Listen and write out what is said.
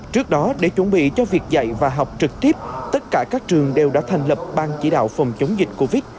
trước đó để chuẩn bị cho việc dạy và học trực tiếp tất cả các trường đều đã thành lập ban chỉ đạo phòng chống dịch covid